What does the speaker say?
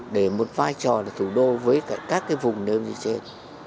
với một vai trò là thủ đô với các vùng nơi như trên